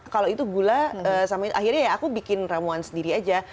kalau itu gula sama akhirnya ya aku bikin ramuan sendiri aja